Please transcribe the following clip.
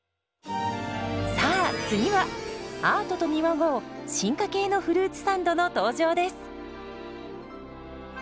さあ次はアートと見まごう進化系のフルーツサンドの登場です。